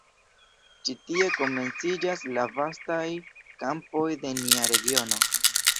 Ĉi tie komenciĝas la vastaj kampoj de nia regiono.